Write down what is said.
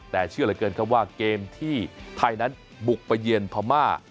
แต่เชื่อเหลือเกินครับว่าเกมที่ไทยนั้นบุกไปเยือนพม่า